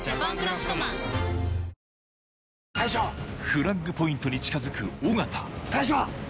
フラッグポイントに近づく尾形大将！